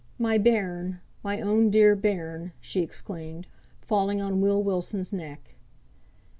"My bairn! my own dear bairn!" she exclaimed, falling on Will Wilson's neck.